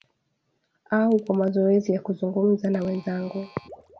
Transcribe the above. Au kwa mazoezi ya kuzungumza na wenzangu.